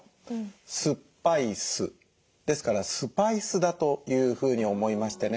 酸っぱい酢ですからスパイ酢だというふうに思いましてね